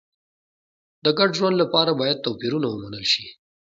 د ګډ ژوند لپاره باید توپیرونه ومنل شي.